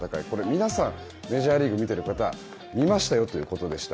皆さん、メジャーリーグ見ている方は見ましたよということでした。